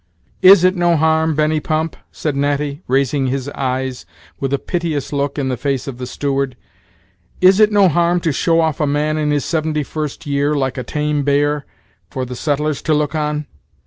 "Is it no harm, Benny Pump," said Natty, raising his eyes with a piteous look in the face of the steward "is it no harm to show off a man in his seventy first year, like a tame bear, for the settlers to look on?